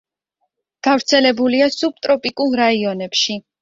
გავრცელებულია სუბტროპიკულ რაიონებში.